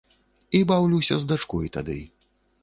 І баўлюся з дачкой тады.